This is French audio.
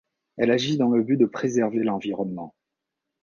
Elle agit dans le but de préserver l'environnement.